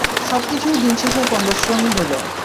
সবকিছুই দিনশেষে পণ্ডশ্রমই হলো।